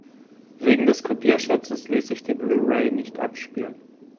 Wegen des Kopierschutzes ließ sich die Blu-ray nicht abspielen.